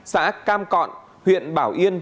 xã cam cọn huyện bảo yên